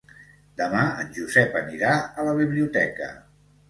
Demà en Josep anirà a la biblioteca.